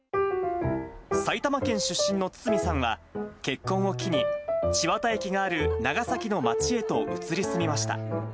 埼玉県出身の堤さんは、結婚を機に、千綿駅がある長崎の町へと移り住みました。